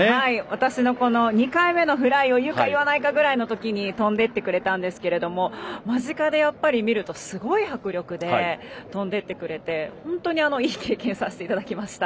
私の２回目のフライを言うか言わないかぐらいの時に飛んでいってくれたんですが間近で見るとすごい迫力で飛んでいってくれて本当にいい経験をさせてもらいました。